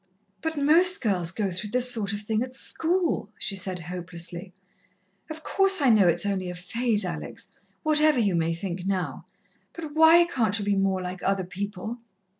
"But most girls go through this sort of thing at school," she said hopelessly. "Of course, I know it is only a phase, Alex, whatever you may think now. But why can't you be more like other people?